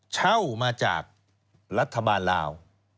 เช่ามาจากรัฐบาลลาว